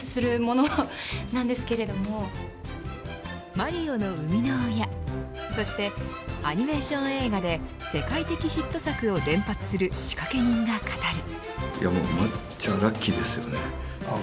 マリオの生みの親そして、アニメーション映画で世界的ヒット作を連発する仕掛け人が語る。